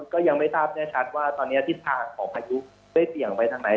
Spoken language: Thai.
ก็ยังไม่ทราบแน่ชัดว่าตอนนี้ทิศทางของพายุได้เสี่ยงไปทางไหน